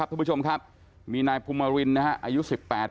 อายุ๑๘ปีที่เป็นคนยิงคนแรก